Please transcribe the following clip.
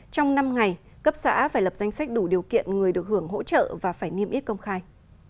trong năm ngày cấp xã phải lập danh sách đủ điều kiện người được hưởng hỗ trợ và phải niêm yết công khai